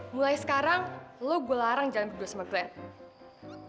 heh mulai sekarang lo gue larang jalan berdua sama glenn